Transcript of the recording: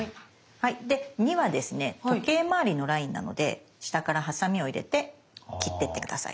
はいで２はですね時計まわりのラインなので下からハサミを入れて切ってって下さい。